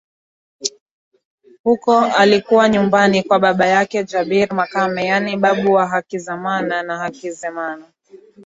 Huko alikuwa nyumbani kwa baba yake Jabir Makame yaani babu wa Hakizimana na Hakizemana